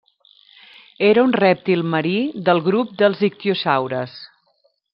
Era un rèptil marí del grup dels ictiosaures.